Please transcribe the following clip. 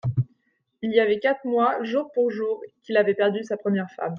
Il y avait quatre mois, jour pour jour, qu'il avait perdu sa première femme.